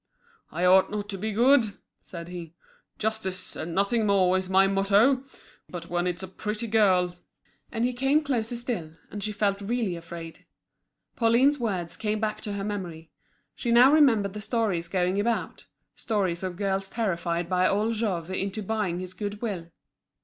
"I ought not to be good," said he. "Justice, and nothing more, is my motto. But when it's a pretty girl—" And he came closer still, and she felt really afraid. Pauline's words came back to her memory; she now remembered the stories going about, stories of girls terrified by old Jouve into buying his good will.